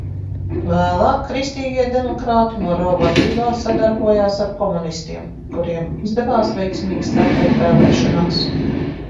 Vēlāk kristīgie demokrāti Moro vadībā sadarbojās ar komunistiem, kuriem izdevās veiksmīgi startēt vēlēšanās.